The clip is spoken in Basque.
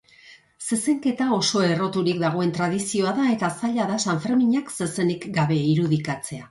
Zezenketa oso erroturik dagoen tradizioa da eta zaila da sanferminak zezenik gabe irudikatzea.